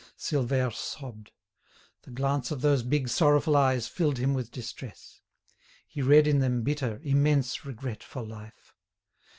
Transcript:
Silvère sobbed. The glance of those big sorrowful eyes filled him with distress. He read in them bitter, immense regret for life.